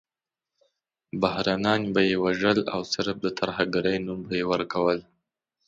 بهرنیان به یې وژل او صرف د ترهګرۍ نوم به یې ورکول.